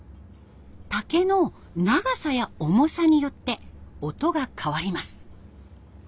竹の長さや重さによって音が変わります。